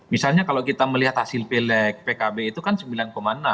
misalnya kalau kita melihat hasil pilek pkb itu kan sembilan enam